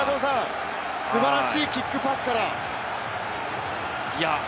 素晴らしいキックパスから。